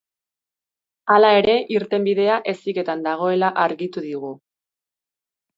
Hala ere irtenbidea heziketan dagoela argitu digu.